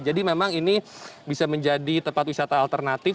jadi memang ini bisa menjadi tempat wisata alternatif